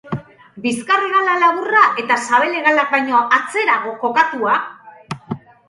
Bizkar-hegala laburra eta sabel-hegalak baino atzerago kokatua.